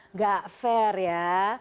nggak fair ya